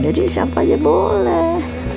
jadi siapa aja boleh